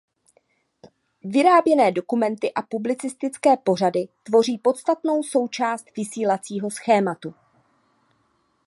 Vyráběné dokumenty a publicistické pořady tvoří podstatnou součást vysílacího schématu.